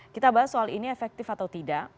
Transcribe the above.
kita bahas soal ini efektif atau tidak